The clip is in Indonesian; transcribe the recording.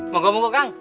mau gua mungkuk kang